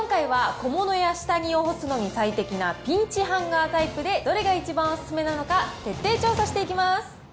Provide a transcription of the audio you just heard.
今回は小物や下着を干すのに最適なピンチハンガータイプでどれが一番お勧めなのか、徹底調査していきます。